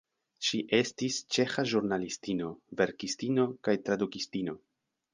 Ŝi estis ĉeĥa ĵurnalistino, verkistino kaj tradukistino.